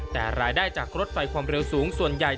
แต่รายได้จากรถไฟความเร็วสูงส่วนใหญ่